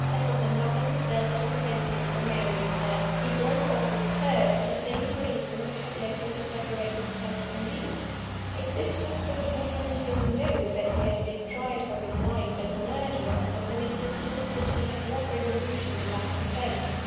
That was enough in itself to prevent him from marrying her: He broke off with her for the same reason which had led him to separate himself from me. Existence with a woman who knew that he had been tried for his life as a murderer was an existence which he had not resolution enough to face.